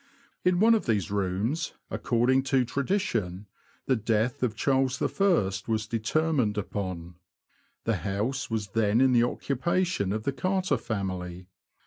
In one of these rooms, according to tradition, the death of Charles I. was determined upon. The house was then in the occupation of the Carter family.